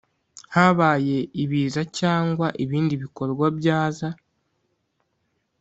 habaye ibiza cyangwa ibindi bikorwa byaza